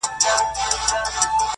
ویل قیامت یې ویل محشر یې٫